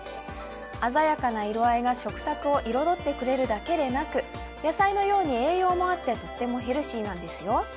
鮮やかな色合いが食卓を彩ってくれるだけでなく野菜のように栄養もあってとってもヘルシーなんですよ。